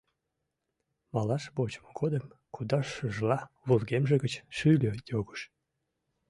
Малаш вочмо годым кудашшыжла вургемже гыч шӱльӧ йогыш.